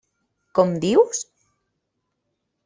Com dius?